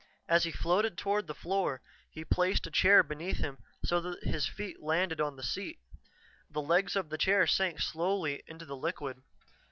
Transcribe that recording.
As he floated toward the floor, he placed a chair beneath him so that his feet landed on the seat. The legs of the chair sank slowly into the liquid.